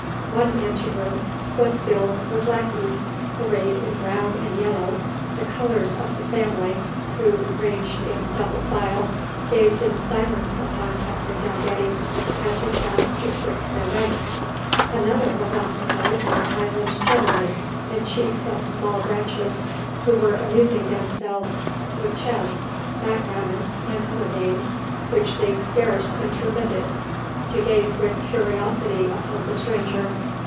One ante room was filled with lacqueys, arrayed in brown and yellow, the colours of the family, who, ranged in double file, gazed in silence upon Captain Dalgetty as he passed betwixt their ranks. Another was occupied by Highland gentlemen and chiefs of small branches, who were amusing themselves with chess, backgammon, and other games, which they scarce intermitted to gaze with curiosity upon the stranger.